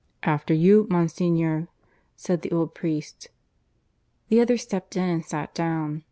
"After you, Monsignor," said the old priest. The other stepped in and sat down.